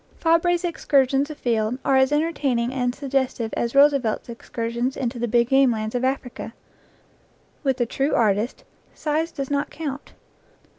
Fabre's excursions afield are as entertaining and suggestive as Roosevelt's excursions into the big game lands of Africa. With the true artist size does not count.